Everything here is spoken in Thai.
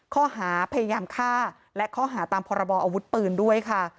ข้อหาพยายามฆ่าและข้อหาตามพรบออาวุธปืนด้วยค่ะ